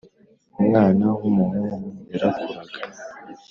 Umwana wu muhungu yarakuraga